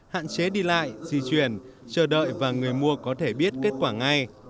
hạn chế đi lại di chuyển chờ đợi và người mua có thể biết kết quả ngay